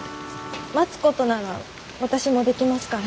待つことなら私もできますから。